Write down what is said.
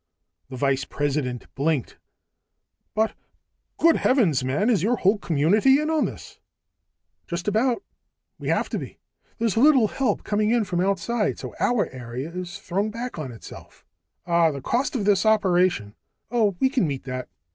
The vice president blinked. "But ... good heavens, man! Is your whole community in on this?" "Just about. We have to be. There's little help coming in from outside, so our area is thrown back on itself." "Ah the cost of this operation " "Oh, we can meet that.